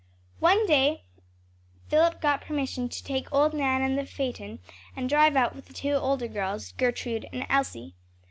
One day Philip got permission to take old Nan and the phaeton and drive out with the two older girls, Gertrude and Elsie.